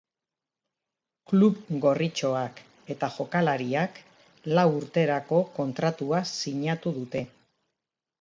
Klub gorritxoak eta jokalariak lau urterako kontratua sinatu dute.